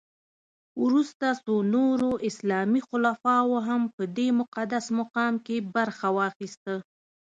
وروسته څو نورو اسلامي خلفاوو هم په دې مقدس مقام کې برخه واخیسته.